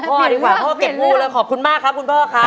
พ่อดีกว่าพ่อเก็บงูเลยขอบคุณมากครับคุณพ่อครับ